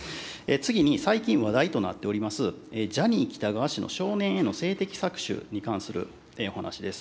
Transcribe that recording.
次に、最近話題となっております、ジャニー喜多川氏の少年への性的搾取に関するお話です。